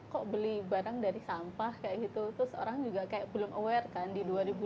kok beli barang dari sampah kayak gitu tuh seorang juga kayak belum aware kan di dua ribu delapan belas mungkin isu